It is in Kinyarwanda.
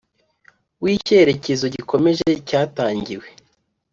w icyerekezo gikomeje cyatangiwe